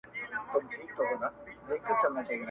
توري شپې لا ګوري په سهار اعتبار مه کوه!.